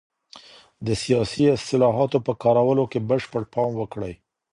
د سياسي اصطلاحاتو په کارولو کي بشپړ پام وکړئ.